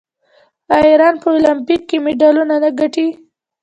آیا ایران په المپیک کې مډالونه نه ګټي؟